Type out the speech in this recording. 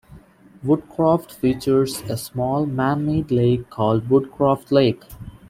Woodcroft features a small man-made lake called Woodcroft Lake.